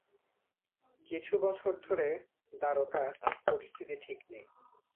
কিছু বছর ধরে, দ্বারকার পরিস্থিতি ঠিক নেই।